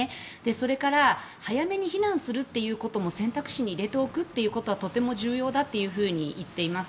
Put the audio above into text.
それから早めに避難するということも選択肢に入れておくということはとっても重要だというふうに言っています。